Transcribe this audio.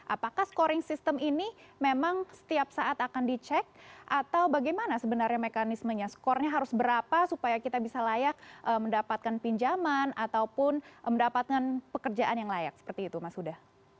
apakah scoring system ini memang setiap saat akan dicek atau bagaimana sebenarnya mekanismenya skornya harus berapa supaya kita bisa layak mendapatkan pinjaman ataupun mendapatkan pekerjaan yang layak seperti itu mas huda